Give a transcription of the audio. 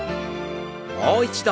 もう一度。